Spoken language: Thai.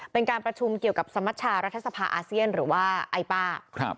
เป็นการประชุมเกี่ยวกับสมชารัฐสภาอาเซียนหรือว่าไอป้า